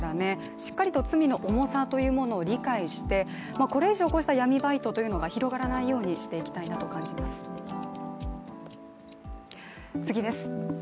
しっかりと罪の重さを理解して、これ以上こうした闇バイトが広がらないようにしていきたいと感じます。